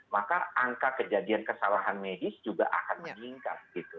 maka angka kejadian kesalahan medis juga akan meningkat